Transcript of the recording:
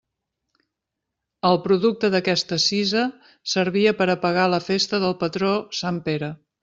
El producte d'aquesta cisa servia per a pagar la festa del patró sant Pere.